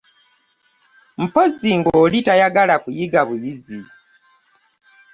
Mpozzi ng'oli tayagala kuyiga buyizi.